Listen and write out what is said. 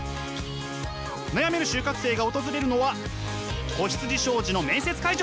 悩める就活生が訪れるのは子羊商事の面接会場。